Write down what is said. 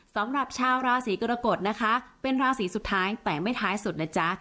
สำหรับชาวราศีกรกฎนะคะเป็นราศีสุดท้ายแต่ไม่ท้ายสุดนะจ๊ะ